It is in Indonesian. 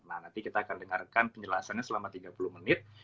nah nanti kita akan dengarkan penjelasannya selama tiga puluh menit